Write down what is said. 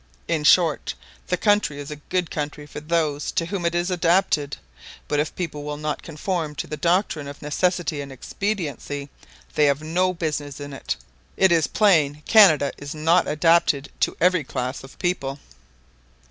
In short, the country is a good country for those to whom it is adapted; but if people will not conform to the doctrine of necessity and expediency, they have no business in it. It is plain Canada is not adapted to every class of people."